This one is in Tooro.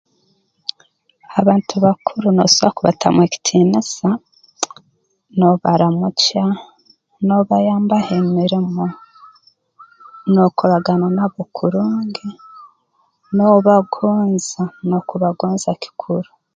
Abantu bakuru noosobora kubatamu ekitiinisa noobaramukya noobayambaho emirimo n'okoragana nabo kurungi noobagonza n'okubagonza kikuru